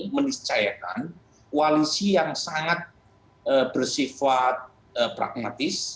meniscayakan koalisi yang sangat bersifat pragmatis